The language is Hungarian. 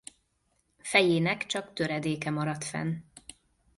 Fejének csak töredéke maradt fenn.